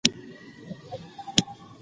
ډیانا اینز د تیو سرطان درملنه بشپړه کړې.